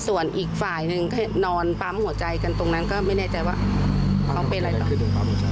ส่วนอีกฝ่ายนึงก็เห็นนอนปั๊มหัวใจกันตรงนั้นก็ไม่แน่ใจว่าเจ้าหนาถึงไม่รู้